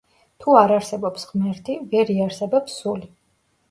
თუ არ არსებობს ღმერთი, ვერ იარსებებს სული.